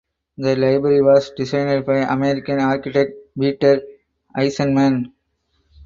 The library was designed by American architect Peter Eisenman.